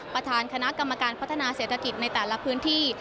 ประธานคณะกรรมการพัฒนาเศรษฐกิจในแต่ละพื้นที่